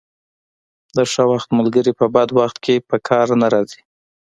د ښه وخت ملګري په بد وخت کې په کار نه راځي.